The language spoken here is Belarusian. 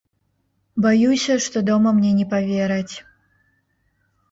Баюся, што дома мне не павераць.